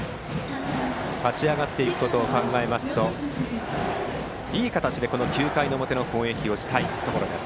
勝ち上がっていくことを考えますと、いい形で９回の表の攻撃をしたいところです。